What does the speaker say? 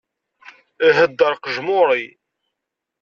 Ihedder qejmuri!